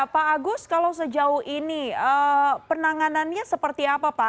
pak agus kalau sejauh ini penanganannya seperti apa pak